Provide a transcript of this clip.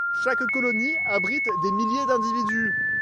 Chaque colonie abrite des milliers d'individus.